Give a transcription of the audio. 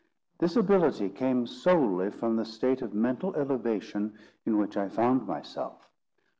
This ability came solely from the state of mental elevation in which I found myself.